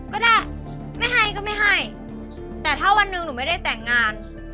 ก็ได้ไม่ให้ก็ไม่ให้แต่ถ้าวันหนึ่งหนูไม่ได้แต่งงาน